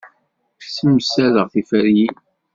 Ssemsadeɣ tiferyin.